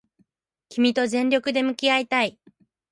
君と全力で向き合いたい